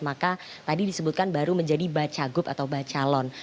maka tadi disebutkan baru menjadi baca gulung